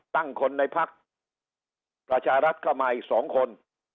ตั้งคนในภักร์ประชารัฐเข้ามาอีกสองคน